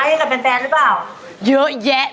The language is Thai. เยอะแยะมีแดนเซอร์ด้วย